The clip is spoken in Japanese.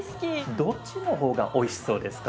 どっちの方がおいしそうですか？